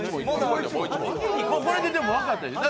これででも分かったでしょう。